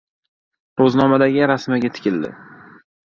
Ro‘znomadagi rasmiga tikildi.